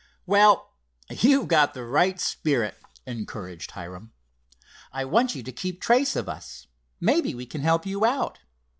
"Well, you've got the right spirit," encouraged Hiram. "I want you to keep trace of us. Maybe we can help you out.